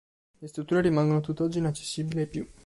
Le strutture rimangono tutt'oggi inaccessibili ai più.